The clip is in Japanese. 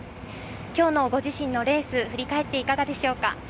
今日のご自身のレース、振り返っていかがでしょうか？